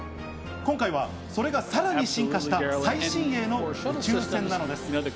今回はそれがさらに進化した最新鋭の宇宙船なのです。